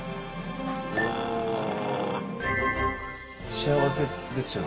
幸せですよね。